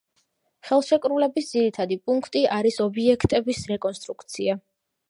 ხელშეკრულების ძირითადი პუნქტი არის ობიექტების რეკონსტრუქცია.